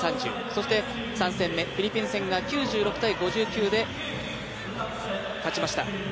そして３戦目、フィリピン戦が９６−５９で勝ちました。